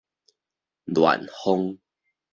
戀鳳